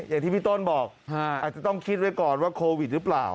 อย่างที่พี่ต้นบอกอาจจะต้องคิดไว้ก่อนว่าโควิดหรือเปล่า